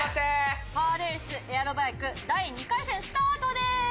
カーレース×エアロバイク第２回戦スタートです！